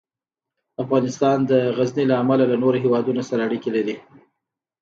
افغانستان د غزني له امله له نورو هېوادونو سره اړیکې لري.